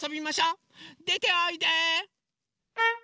でておいで！